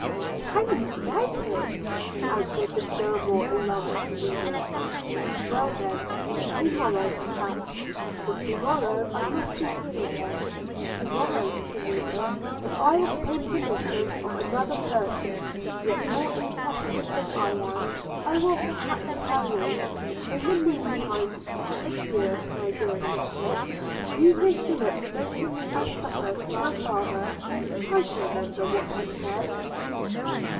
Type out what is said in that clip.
'Can you doubt it?' answered the still more alarmed Selina. – 'Well, then, to morrow, perhaps – for to morrow I must be here again – to morrow, Selina, if I obtain permission from another person yet more interested than I am, I will perhaps tell you. In the mean time adieu, my dear sister! – If you hear Philip mention me at supper to my father, try to remember what he says.'